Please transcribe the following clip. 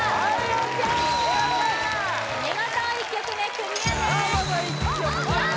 お見事１曲目クリアですさあ